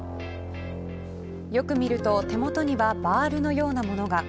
よく見ると手元にはバールのようなものが。